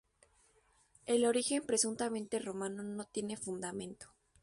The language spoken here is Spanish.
El origen presuntamente romano no tiene fundamento.